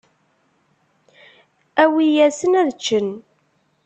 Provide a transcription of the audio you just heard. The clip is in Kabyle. Awi-yasen ad ččen.